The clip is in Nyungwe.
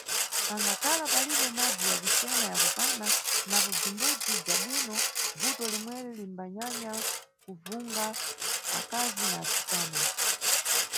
Pangakhala palibe madzi ya kucena ya kukwana, napo bzimbudzu bza bwino, bvuto limweri limbanyanya kuvunga akazi na atsikana.